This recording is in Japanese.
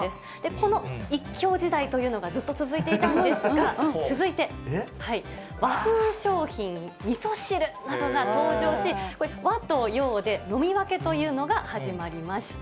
この１強時代というのがずっと続いていたんですが、続いて、和風商品、みそ汁などが登場し、これ、和と洋で飲み分けというのが始まりました。